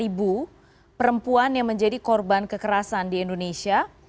itu ada dua puluh lima perempuan yang menjadi korban kekerasan di indonesia